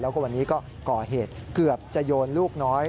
แล้วก็วันนี้ก็ก่อเหตุเกือบจะโยนลูกน้อย